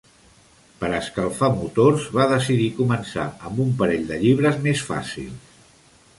Per escalfar motors, va decidir començar amb un parell de llibres més fàcils.